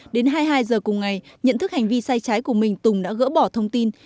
đến hai mươi hai giờ cùng ngày nhận thức hành vi sai trái của mình tùng đã gỡ bỏ thông tin